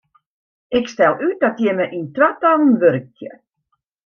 Ik stel út dat jimme yn twatallen wurkje.